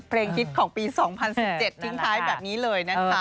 ฮิตของปี๒๐๑๗ทิ้งท้ายแบบนี้เลยนะคะ